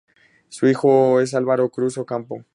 Su hijo es Álvaro Cruz Ocampo.